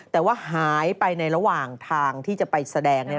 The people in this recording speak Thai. แต่ว่าหายไปในระหว่างทางที่จะไปแสดง